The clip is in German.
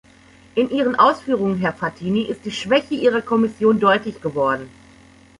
In Ihren Ausführungen, Herr Frattini, ist die Schwäche ihrer Kommission deutlich geworden.